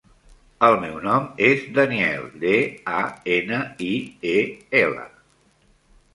El meu nom és Daniel: de, a, ena, i, e, ela.